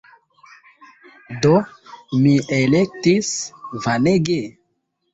Do, mi elektis Vanege!